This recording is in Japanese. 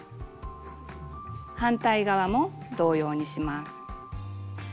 反対側も同様にします。